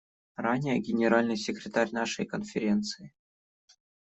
Ранее Генеральный секретарь нашей Конференции.